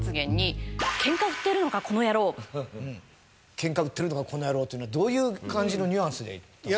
「ケンカ売ってるのかコノヤロー」っていうのはどういう感じのニュアンスで言ったんですか？